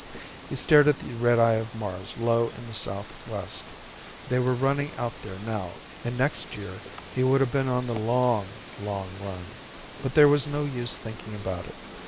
He stared at the red eye of Mars low in the southwest. They were running out there now, and next year he would have been on the long long run ... But there was no use thinking about it.